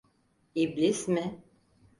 İblis mi?